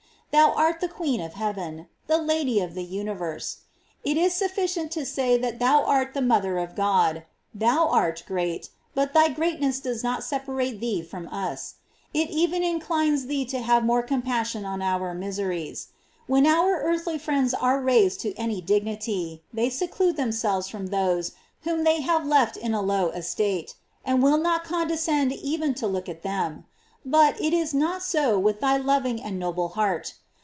Thou art the Queen of heaven ! the Lady of the universe ! it is sufficient to say that thou art the mother of God. Thou art great, but thy great ness does not separate thee from us ; it even inclines thee to have more compassion on our miseries. When our earthly friends are raised to any dignity, they seclude themselves from those whom they have left in a low estate, and will not condescend even to look at them. But it is not so with thy loving and noble heart.